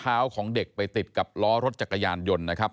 ของเด็กไปติดกับล้อรถจักรยานยนต์นะครับ